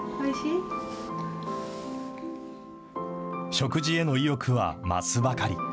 食事への意欲は増すばかり。